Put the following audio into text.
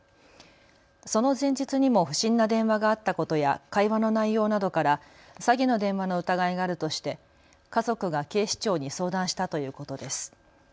その前日にも不審な電話があったことや会話の内容などから詐欺の電話の疑いがあるとして家族が警視庁に相談したということです。